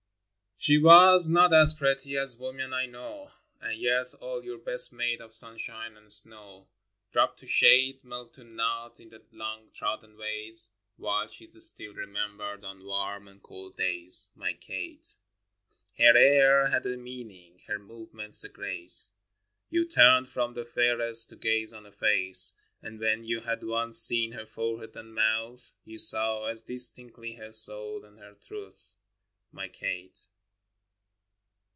O HE was not as pretty as women I know, ^ And yet all your best made of sunshine and snow Drop to shade, melt to nought in the long trodden ways, While she's still remembered on warm and cold days — My Kate. Her air had a meaning, her movements a grace; You turned from the fairest to gaze on her face: And when you had once seen her forehead and mouth, You saw as distinctly her soul and her truth — My Kate.